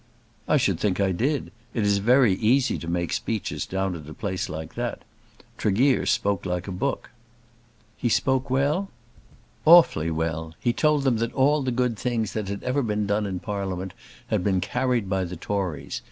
"I should think I did. It is very easy to make speeches down at a place like that. Tregear spoke like a book." "He spoke well?" "Awfully well. He told them that all the good things that had ever been done in Parliament had been carried by the Tories.